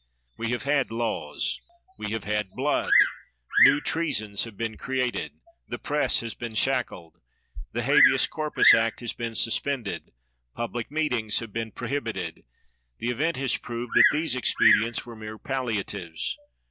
We have had laws. We have had blood. New treasons have been created. The Press has been shackled. The Habeas Corpus Act has been suspended. Public meetings have been prohibited. The event has proved that these expedients were mere pallia tives.